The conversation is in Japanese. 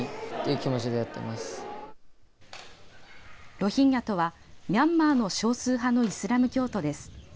ロヒンギャとはミャンマーの少数派のイスラム教徒です。